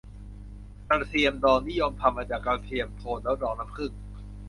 กระเทียมดอง นิยมทำมาจากกระเทียมโทน แล้วดองน้ำผึ้ง